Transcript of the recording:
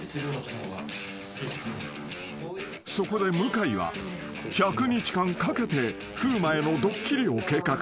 ［そこで向井は１００日間かけて風磨へのドッキリを計画］